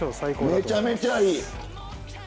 めちゃめちゃいい！